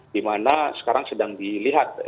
dimana sekarang sedang dilihat